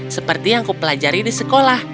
seperti yang kau pelajari di sekolah